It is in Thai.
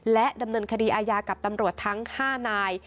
และดำเนินคดีอาญากับตำรวจทั้ง๕นาย